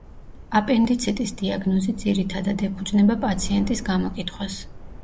აპენდიციტის დიაგნოზი ძირითადად ეფუძნება პაციენტის გამოკითხვას.